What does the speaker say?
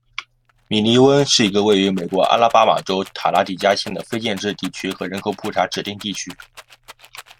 米尼翁是一个位于美国阿拉巴马州塔拉迪加县的非建制地区和人口普查指定地区。